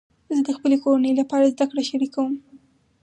زه د خپلې کورنۍ لپاره زده کړه شریکوم.